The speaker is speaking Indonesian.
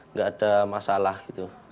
nggak ada masalah gitu